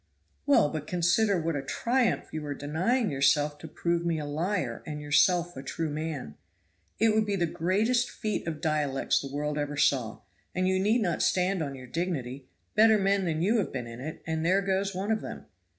"Well, but consider what a triumph you are denying yourself to prove me a liar and yourself a true man. It would be the greatest feat of dialects the world ever saw; and you need not stand on your dignity better men than you have been in it, and there goes one of them.